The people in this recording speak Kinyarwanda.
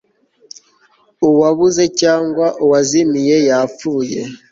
uwabuze cyangwa uwazimiye yapfuye